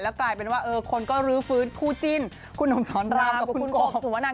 กลายเป็นว่าคนก็รื้อฟื้นคู่จิ้นคุณหนุ่มสอนรามกับคุณโกสุวนัน